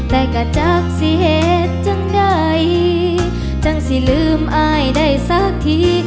แต่ก็จากสิเหตุจังใดจังสิลืมอายได้สักที